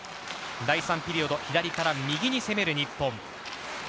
第３ピリオド左から右に攻める日本。